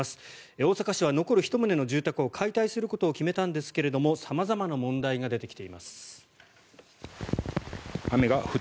大阪市は残る１棟の住宅を解体することを決めたんですけれども様々な問題が出てきています。